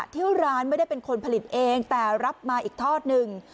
ที่ร้านไม่ได้เป็นคนผลิตเองแต่รับมาอีกทอดหนึ่ง